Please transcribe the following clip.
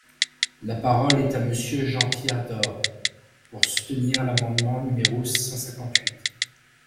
La parole est à Monsieur Jean-Pierre Door, pour soutenir l’amendement numéro cent cinquante-huit.